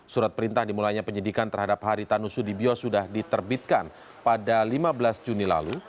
surat perintah dimulainya penyidikan terhadap haritanu sudibyo sudah diterbitkan pada lima belas juni lalu